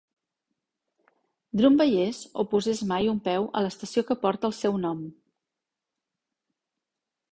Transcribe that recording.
Drum veiés o posés mai un peu a l'estació que porta el seu nom.